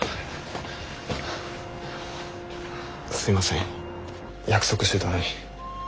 すいません約束してたのに。